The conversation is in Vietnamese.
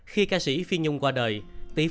khi ca sĩ phi nhung qua đời